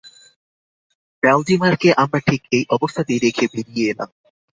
ভ্যালডিমারকে আমরা ঠিক এই অবস্থাতেই রেখে বেরিয়ে এলাম।